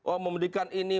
oh membedikan ini